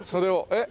えっ？